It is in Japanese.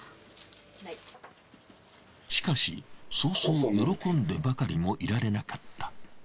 しかしそうそう喜んでばかりもいられなかった。